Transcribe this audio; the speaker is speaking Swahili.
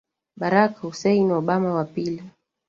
Barack Hussein Obama wa pili